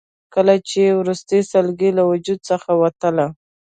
کله یې چې وروستۍ سلګۍ له وجود څخه وتله.